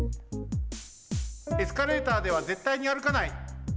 エスカレーターではぜったいに歩かない。